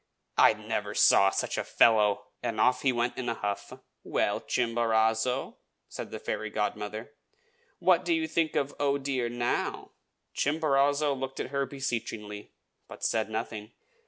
I never saw such a fellow!" and off he went in a huff. "Well, Chimborazo," said the fairy godmother, "what do you think of 'Oh, dear!' now?" Chimborazo looked at her beseechingly, but said nothing.